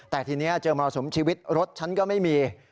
แต่ทีนี้เจอมรสุมชีวิตรถฉันก็ไม่มี